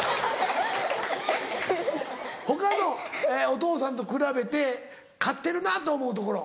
他のお父さんと比べて勝ってるなと思うところ。